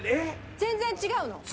全然違う。